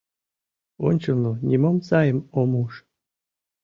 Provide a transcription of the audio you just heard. Ончылно нимом сайым ом уж.